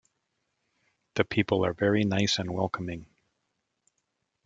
The people are very nice and welcoming.